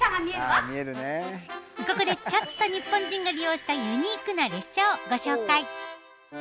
ここでちょっとニッポン人が利用したユニークな列車をご紹介。